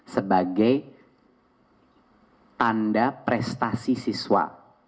sebagai tanda prestasi siswa